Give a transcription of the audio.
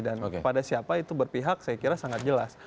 dan kepada siapa itu berpihak saya kira sangat jelas